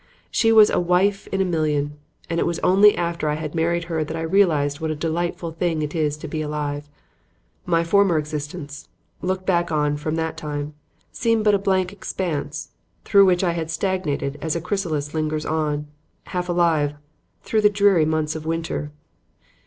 She was a wife in a million; and it was only after I had married her that I realized what a delightful thing it was to be alive. My former existence, looked back on from that time, seemed but a blank expanse through which I had stagnated as a chrysalis lingers on, half alive, through the dreary months of winter.